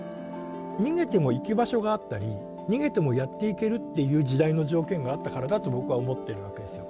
逃げても行き場所があったり逃げてもやっていけるっていう時代の条件があったからだと僕は思ってるわけですよ。